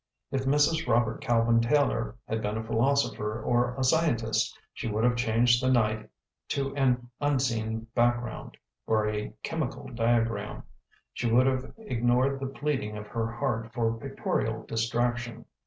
If Mrs. Robert Calvin Taylor had been a philosopher or a scientist she would have changed the night to an un seen background, or a chemical diagram; she would have ignored the pleading of her heart for pictorial dis traction.